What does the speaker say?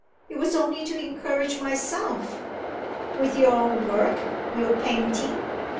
It was only to encourage myself." "With your own work your painting?"